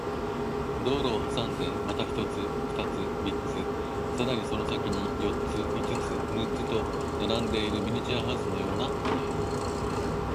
道路を挟んでまた一つ、二つ、三つ、さらにその先に四つ、五つ、六つと並んでいるミニチュアハウスのような家